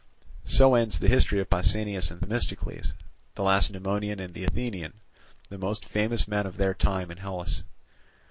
So ends the history of Pausanias and Themistocles, the Lacedaemonian and the Athenian, the most famous men of their time in Hellas.